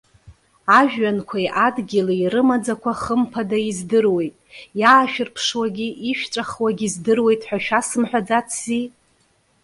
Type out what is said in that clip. Ажәҩанқәеи адгьыли рымаӡақәа хымԥада издыруеит, иаашәырԥшуагьы ишәҵәахуагьы здыруеит ҳәа шәасымҳәаӡацзи?